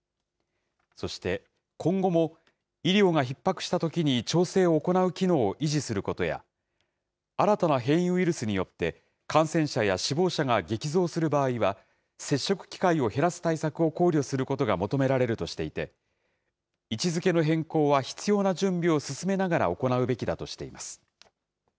そして、今後も、医療がひっ迫したときに調整を行う機能を維持することや、新たな変異ウイルスによって、感染者や死亡者が激増する場合は、接触機会を減らす対策を考慮することが求められるとしていて、位置づけの変更は必要な準備を進めながら行うべきだとしています。